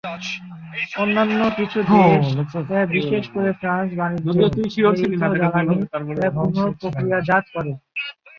অন্যান্য কিছু দেশ, বিশেষ করে ফ্রান্স, বাণিজ্যিক ব্যয়িত জ্বালানি পুনঃপ্রক্রিয়াজাত করে।